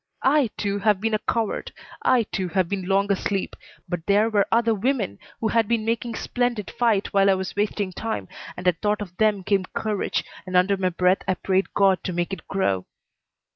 I, too, have been a coward. I, too, have been long asleep. But there were other women who had been making splendid fight while I was wasting time, and at thought of them came courage, and under my breath I prayed God to make it grow.